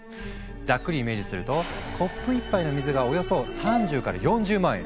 ざっくりイメージするとコップ１杯の水がおよそ３０から４０万円！